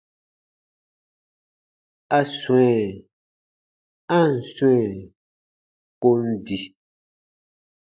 A swɛ̃, a ǹ swɛ̃ kon di.